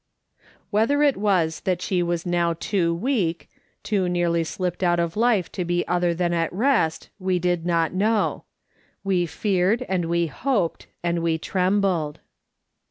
Whether it was that she was now too weak, too nearly slipped out of life to be other than at rest, we did not know ; we feared, and we hoped, and we trembled.